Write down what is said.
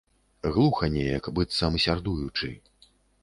Глуха неяк, быццам сярдуючы.